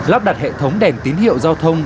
lắp đặt hệ thống đèn tín hiệu giao thông